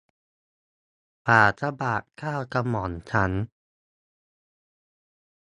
ฝ่าพระบาท เกล้ากระหม่อมฉัน